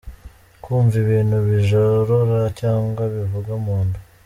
Kumva ibintu bijorora cyangwa bivuga munda.